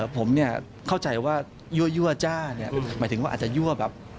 ผมเข้าใจว่ายั่วจ้าหมายถึงว่าอาจจะยั่วแบบ